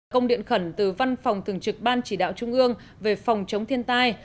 công điện khẩn từ văn phòng thường trực ban chỉ đạo trung ương về phòng chống thiên tai